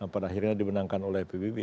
pada akhirnya dimenangkan oleh pbb